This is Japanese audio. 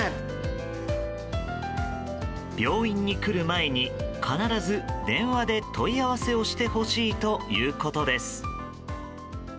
病院に来る前に必ず電話で問い合わせをしてほしいということです。